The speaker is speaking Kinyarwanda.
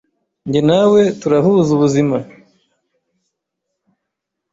njyee nawe turahuza ubuzima